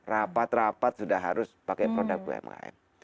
rapat rapat sudah harus pakai produk umkm